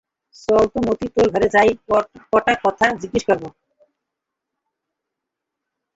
চল তো মতি তোর ঘরে যাই, কটা কথা জিজ্ঞেস করব।